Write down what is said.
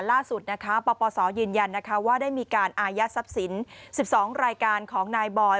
ล่าสุดนะคะปปศยืนยันว่าได้มีการอายัดทรัพย์สิน๑๒รายการของนายบอย